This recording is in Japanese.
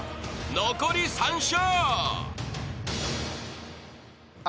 残り３笑］